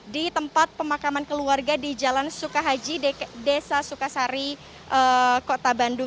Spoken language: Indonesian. di tempat pemakaman keluarga di jalan sukahaji desa sukasari kota bandung